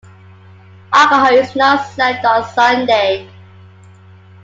Alcohol is not served on Sunday.